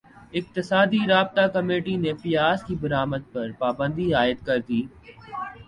اقتصادی رابطہ کمیٹی نے پیاز کی برمد پر پابندی عائد کردی